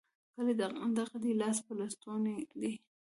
کلی دغه دی؛ لاس په لستوڼي دی.